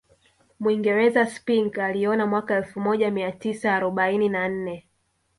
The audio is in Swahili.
Mwingereza Spink aliona mwaka elfu moja mia tisa arobaini na nne